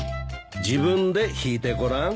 自分で引いてごらん。